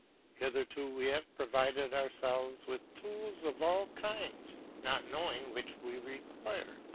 Hitherto we have provided ourselves with tools of all kinds, not knowing which we require.